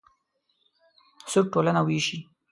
سود ټولنه وېشي.